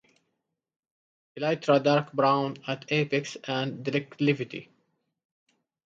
Elytra dark brown at apex and declivity.